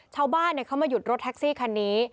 ชาวบ้านเขามาหยุดรถแท็กซี่คันนี้